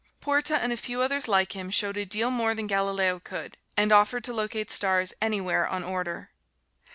Porta, and a few others like him, showed a deal more than Galileo could and offered to locate stars anywhere on order.